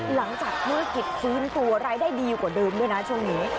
หลังจากธุรกิจฟื้นตัวรายได้ดีกว่าเดิมด้วยนะช่วงนี้